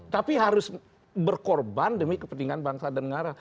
tapi harus berkorban demi kepentingan bangsa dan negara